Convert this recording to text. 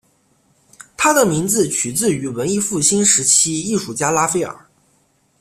他的名字取自于文艺复兴时期艺术家拉斐尔。